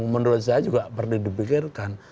menurut saya juga perlu dipikirkan